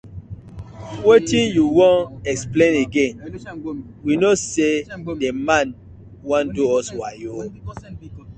Wetin yu won explain again, we kno sey the man wan do us wayo.